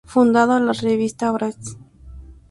Fundando la Revista Bratz.